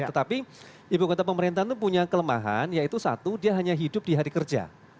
tetapi ibu kota pemerintahan itu punya kelemahan yaitu satu dia hanya hidup di hari kerja